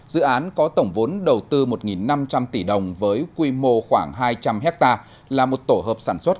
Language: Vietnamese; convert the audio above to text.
dự án có tổng vốn đầu tư một năm trăm linh tỷ đồng với quy mô khoảng hai trăm linh hectare là một tổ hợp sản xuất